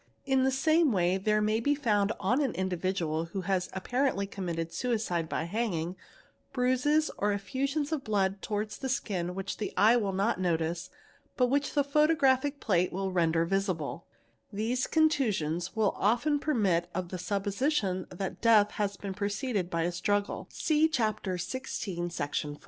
In the same way : there may be found on an individual who has apparently committec suicide by hanging, bruises or effusions of blood towards the skin whick the eye will not notice but which the photographic plate will rende: visible ; these contusions will often permit of the supposition that deatl has been preceded by a struggle (see Chapter XVI, Section iv).